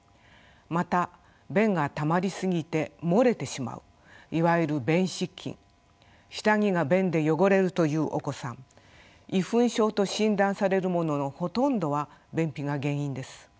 また便がたまり過ぎて漏れてしまういわゆる便失禁下着が便で汚れるというお子さん遺糞症と診断されるもののほとんどは便秘が原因です。